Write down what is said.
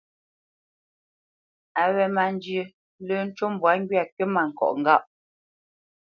Á wé má njyə̄, lə́ ncú mbwǎ ŋgywâ kywítmâŋkɔʼ ŋgâʼ.